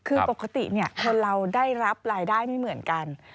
คือปกติคนเราได้รับรายได้ไม่เหมือนกัน